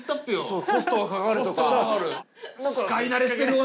そうコストがかかるとか。